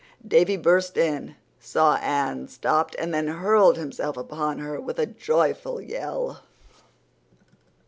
Davy burst in, saw Anne, stopped, and then hurled himself upon her with a joyful yell.